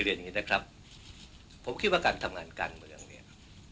อย่างงี้นะครับผมคิดว่าการทำงานการเมืองเนี่ย